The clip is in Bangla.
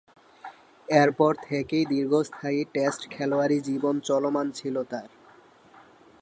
এরপর থেকেই দীর্ঘস্থায়ী টেস্ট খেলোয়াড়ী জীবন চলমান ছিল তার।